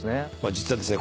実はですね